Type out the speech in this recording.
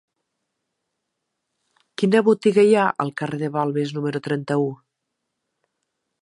Quina botiga hi ha al carrer de Balmes número trenta-u?